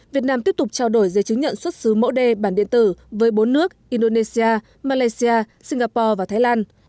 việt nam tiếp tục trao đổi dây chứng nhận xuất xứ mẫu đê bản điện tử với bốn nước indonesia malaysia singapore và thái lan